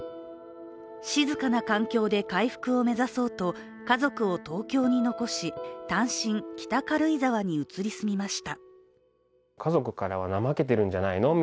静かな環境で回復を目指そうと、家族を東京に残し単身、北軽井沢に移り住みました。